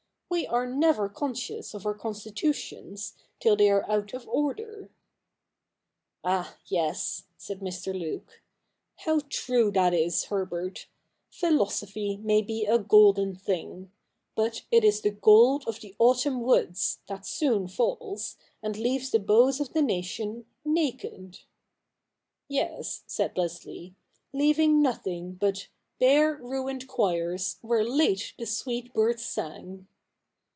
We are never conscious of our constitutions till they are out of order.' ' Ah ! yes,' said Mr. Luke ;' how true that is, Herbert ! Philosophy may be a golden thing. But it is the gold of the autumn woods, that soon falls, and leaves the boughs of the nation naked.' 'Yes,' said Leslie, 'leaving nothing but Bare ruined choirs, where late the sweet birds sang.'